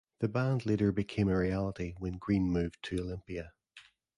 The band later became a reality when Green moved to Olympia.